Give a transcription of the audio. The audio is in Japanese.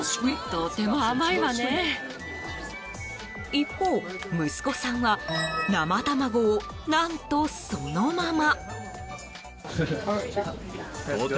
一方、息子さんは生卵を、何とそのまま。